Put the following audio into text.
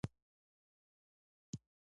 عمر ورته وویل: له دې پرته، بل څه دې زړه غواړي؟